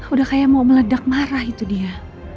udah kayak mau meledak marah itu dia